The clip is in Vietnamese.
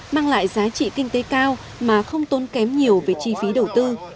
mang lại giá trị kinh tế cao mà không tốn kém nhiều về chi phí đầu tư